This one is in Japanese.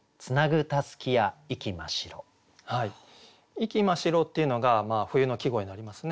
「息真白」っていうのが冬の季語になりますね。